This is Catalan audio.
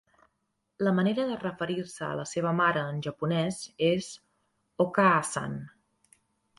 La manera de referir-se a la seva mare, en japonès, és "okaa-san".